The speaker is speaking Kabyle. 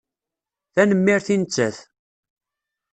Tanemmirt i nettat.